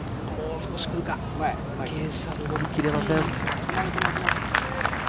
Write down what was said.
傾斜、のぼりきれません。